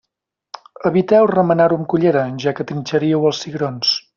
Eviteu remenar-ho amb cullera, ja que trinxareu els cigrons.